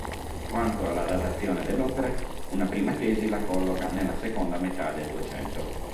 Quanto alla datazione dell'opera, una prima tesi la colloca nella seconda metà del Duecento.